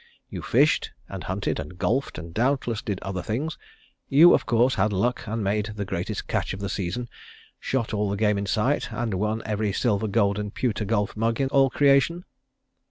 You fished, and hunted, and golfed, and doubtless did other things. You, of course, had luck and made the greatest catch of the season; shot all the game in sight, and won every silver, gold and pewter golf mug in all creation?"